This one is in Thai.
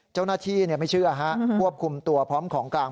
เจ้าหน้าที่ไม่เชื่อฮะควบคุมตัวพร้อมของกลาง